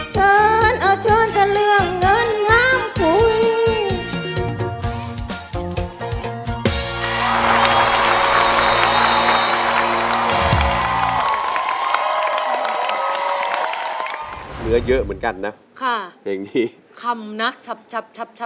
เชิญเลยจะคุยจะเล่าเรื่องใดไม่เก่าเราไม่หาเมิน